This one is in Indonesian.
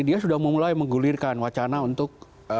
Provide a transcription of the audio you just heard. dia sudah memulai menggulirkan wacana untuk